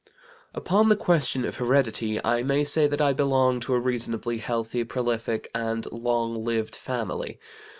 "Upon the question of heredity I may say that I belong to a reasonably healthy, prolific, and long lived family.